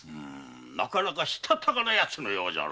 なかなかしたたかなヤツのようじゃな。